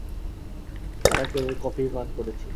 তারা কেবল কফিই পান করেছিল।